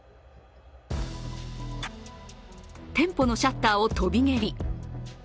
店舗のシャッターを跳び蹴り。